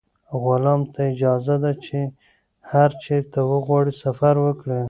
غلام ته اجازه ده چې هر چېرته وغواړي سفر وکړي.